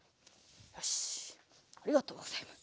よしありがとうございます。